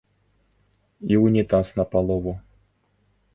І унітаз на палову.